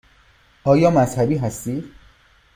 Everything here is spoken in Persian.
آیا مذهبی هستید؟